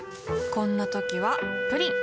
こんな時はプリン